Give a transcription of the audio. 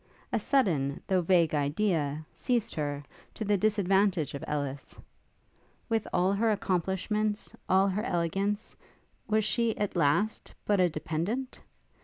A sudden, though vague idea, seized her, to the disadvantage of Ellis. With all her accomplishments, all her elegance, was she, at last, but a dependent?